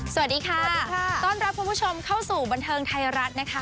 สวัสดีค่ะสวัสดีค่ะต้อนรับคุณผู้ชมเข้าสู่บันเทิงไทยรัฐนะคะ